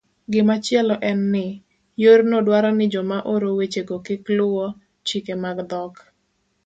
Gimachielo en ni, yorno dwaro ni joma oro wechego kik luwo chike mag dhok